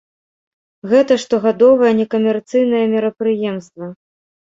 Гэта штогадовае некамерцыйнае мерапрыемства.